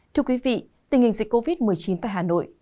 thưa quý vị tình hình dịch covid một mươi chín tại hà nội